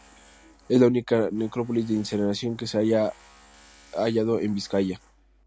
Es la única necrópolis de incineración que se ha hallado en Vizcaya.